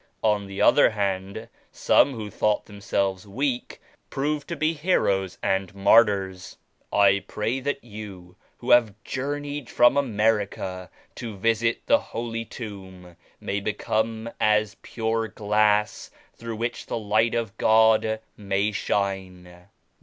On the other hand, some who thought themselves weak, proved to be heroes and mar tyrs. I pray that you who have journeyed from America to visit the Holy Tomb may become as pure glass through which the Light of God may shine.